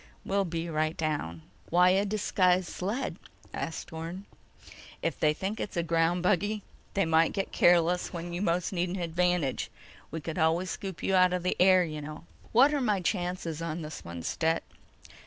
"We'll be right down." "Why a disguised sled?" asked Orne. "If they think it's a ground buggy, they might get careless when you most need an advantage. We could always scoop you out of the air, you know." "What're my chances on this one, Stet?"